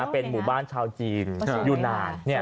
เป็นหมู่บ้านชาวจีนอยู่นาน